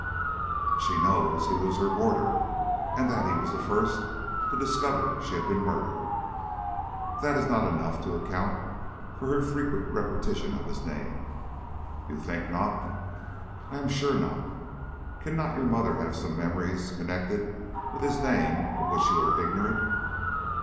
"She knows he was her boarder, and that he was the first one to discover she had been murdered." "That is not enough to account for her frequent repetition of his name." "You think not?" "I am sure not. Cannot your mother have some memories connected with his name of which you are ignorant?"